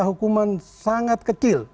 hukuman sangat kecil